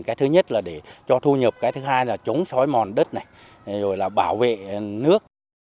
cái thứ nhất là để cho thu nhập cái thứ hai là chống xói mòn đất này rồi là bảo vệ nước